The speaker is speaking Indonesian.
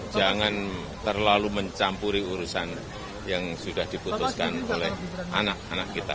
jangan terlalu mencampuri urusan yang sudah diputuskan oleh anak anak kita